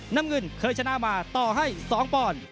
น้ำเงินเคยชนะมาต่อให้๒ปอนด์